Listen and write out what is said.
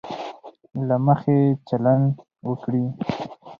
له مخي چلند وکړي.